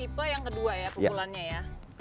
tipe yang kedua ya pukulannya ya